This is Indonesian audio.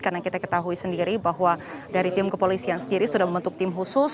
karena kita ketahui sendiri bahwa dari tim kepolisian sendiri sudah membentuk tim khusus